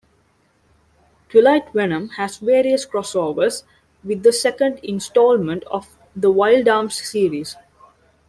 "Twilight Venom" has various crossovers with the second installment of the "Wild Arms" series.